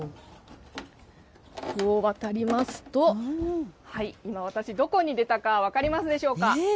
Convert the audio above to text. こう、渡りますと、今、私、どこに出たか分かりますでしょうか。